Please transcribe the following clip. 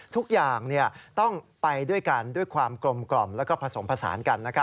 ทุกอย่างต้องไปด้วยกันด้วยความกลมกล่อมแล้วก็ผสมผสานกัน